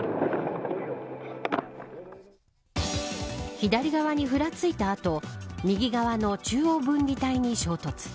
左側にふらついた後右側の中央分離帯に衝突。